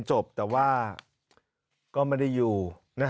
ตอนที่ไม่มีเขาอยู่แล้ว